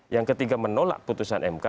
yang ketiga menolak putusan mk